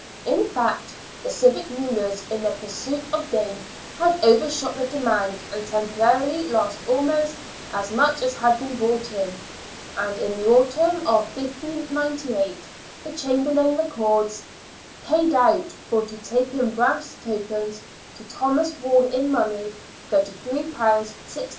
In fact, the civic rulers, in their pursuit of gain, had overshot the demand, and temporarily lost almost as much as had been brought in. In the autumn of 1598 the Chamberlain records :" Paid out, for to take in brass tokens, to Thomas WaU in money, £33 i6s.